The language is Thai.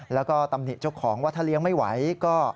แล้วก็ตำหนิเจ้าของว่าถ้าเลี้ยงไม่ไหวก็